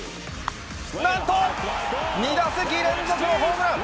なんと、２打席連続のホームラン。